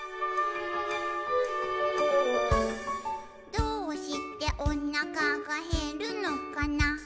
「どうしておなかがへるのかな」